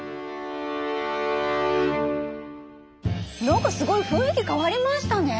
何かすごい雰囲気変わりましたね。